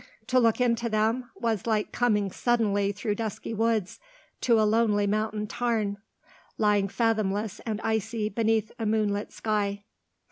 To look into them was like coming suddenly through dusky woods to a lonely mountain tarn, lying fathomless and icy beneath a moonlit sky.